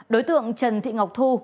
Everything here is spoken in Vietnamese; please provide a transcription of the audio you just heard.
đối tượng trần thị ngọc thu